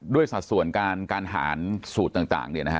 ด้วยสะสวนการการหารสูตรต่างนะฮะ